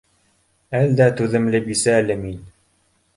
Әлдә түҙемле бисә әле мин